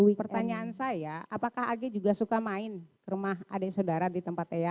jadi pertanyaan saya apakah agih juga suka main ke rumah adik saudara di tempat eyang